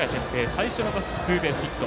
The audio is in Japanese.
最初の打席、ツーベースヒット。